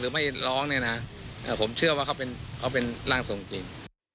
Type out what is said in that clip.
ไม่ร้องเนี่ยนะผมเชื่อว่าเขาเป็นร่างทรงจริง